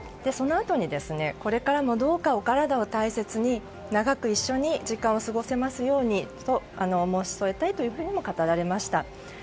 そのあとにこれからもどうかお体を大切に長く一緒に時間を過ごせますようにと申し添えたいというふうにも語られました。